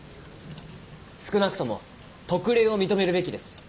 少なくとも特例を認めるべきです。